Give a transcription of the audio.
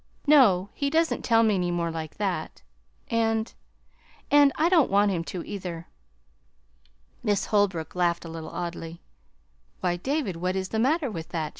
"No, he doesn't tell me any more like that, and and I don't want him to, either." Miss Holbrook laughed a little oddly. "Why, David, what is the matter with that?"